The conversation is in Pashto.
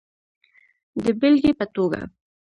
د بېلګې په توګه